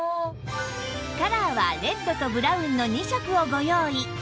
カラーはレッドとブラウンの２色をご用意